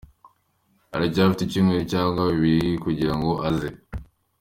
Aracyafite icyumweru cyangwa bibiri kugira ngo aze.